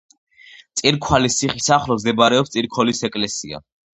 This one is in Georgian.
წირქვალის ციხის ახლოს მდებარეობს წირქოლის ეკლესია.